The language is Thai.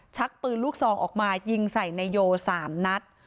ชักปืนลูกซองออกมายิงใส่นายโย๓นัด